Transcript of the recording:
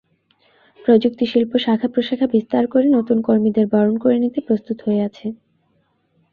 প্রযুক্তিশিল্প শাখা-প্রশাখা বিস্তার করে নতুন কর্মীদের বরণ করে নিতে প্রস্তুত হয়ে আছে।